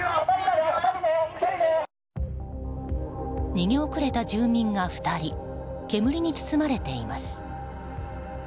逃げ遅れた住民が２人煙に包まれています。